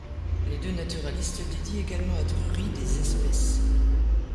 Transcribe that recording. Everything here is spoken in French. Les deux naturalistes dédient également à Drury des espèces.